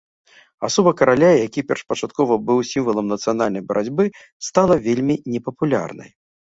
Асоба караля, які першапачаткова быў сімвалам нацыянальнай барацьбы, стала вельмі непапулярнай.